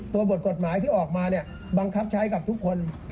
ตัวบทกฎหมายที่ออกมาบังคับใช้กับทุกคน